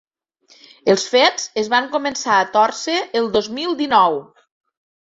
Els fets es van començar a tòrcer el dos mil dinou.